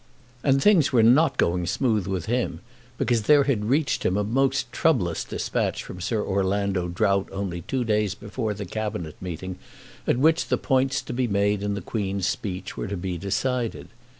And things were not going smooth with him because there had reached him a most troublous dispatch from Sir Orlando Drought only two days before the Cabinet meeting at which the points to be made in the Queen's speech were to be decided.